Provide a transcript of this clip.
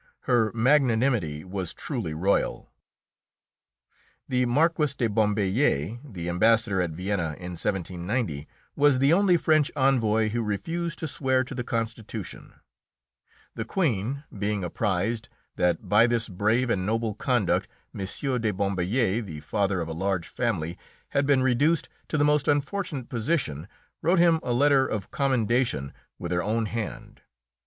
Her magnanimity was truly royal. The Marquis de Bombelles, the Ambassador at Vienna in 1790, was the only French envoy who refused to swear to the constitution; the Queen, being apprised that by this brave and noble conduct M. de Bombelles, the father of a large family, had been reduced to the most unfortunate position, wrote him a letter of commendation with her own hand.